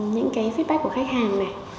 những cái feedback của khách hàng này